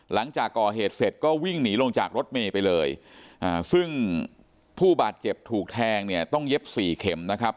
หลังจากก่อเหตุเสร็จก็วิ่งหนีลงจากรถเมย์ไปเลยซึ่งผู้บาดเจ็บถูกแทงเนี่ยต้องเย็บสี่เข็มนะครับ